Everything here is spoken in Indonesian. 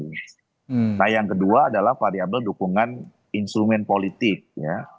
nah yang kedua adalah variable dukungan instrumen politik ya